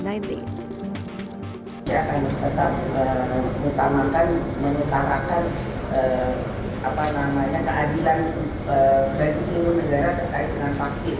saya akan tetap mengutamakan mengutarakan keadilan bagi seluruh negara terkait dengan vaksin